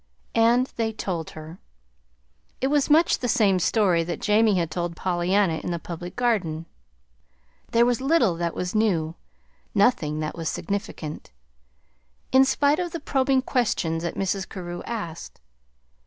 And they told her. It was much the same story that Jamie had told Pollyanna in the Public Garden. There was little that was new, nothing that was significant, in spite of the probing questions that Mrs. Carew asked.